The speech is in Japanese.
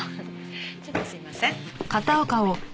ちょっとすいません。